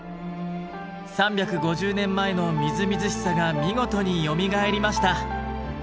３５０年前のみずみずしさが見事によみがえりました。